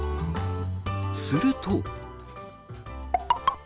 すると。